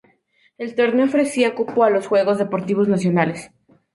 El torneo ofrecía cupo a los Juegos Deportivos Nacionales.